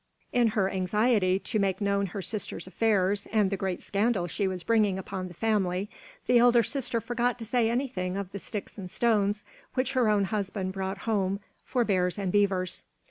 In her anxiety to make known her sister's affairs and the great scandal she was bringing upon the family, the elder sister forgot to say anything of the sticks and stones which her own husband brought home for bears and beavers.